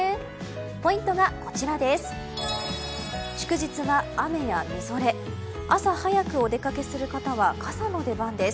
ポイントがこちらです。